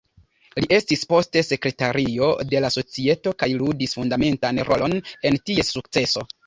Li estis poste sekretario de la societo kaj ludis fundamentan rolon en ties sukceso.